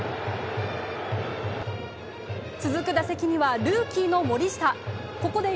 続く打席には、ルーキーの森下。